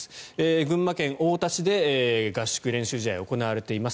群馬県太田市で合宿、練習試合が行われています。